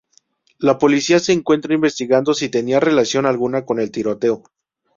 La policía se encuentra investigando si tenía relación alguna con el tiroteo.